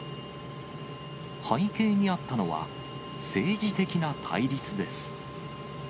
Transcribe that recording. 背景にあったのは、政治的な対立です。